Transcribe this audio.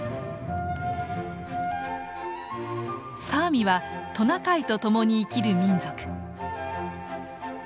サーミはトナカイとともに生きる民族。